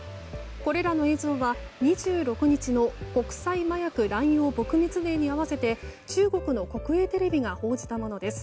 これらの映像は２６日の国際麻薬乱用撲滅デーに合わせて中国の国営テレビが報じたものです。